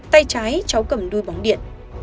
tay trái cháu cầm đuôi bóng điện